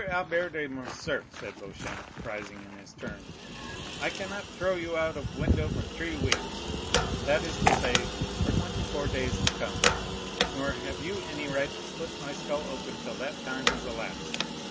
Albert de Morcerf," said Beauchamp, rising in his turn, "I cannot throw you out of window for three weeks—that is to say, for twenty four days to come—nor have you any right to split my skull open till that time has elapsed.